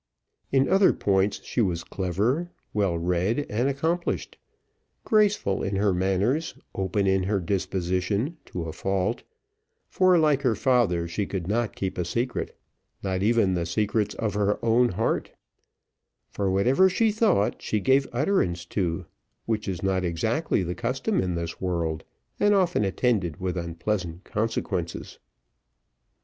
In other points she was clever, well read, and accomplished; graceful in her manners, open in her disposition, to a fault; for, like her father, she could not keep a secret, not even the secrets of her own heart; for whatever she thought she gave utterance to, which is not exactly the custom in this world, and often attended with unpleasant consequences.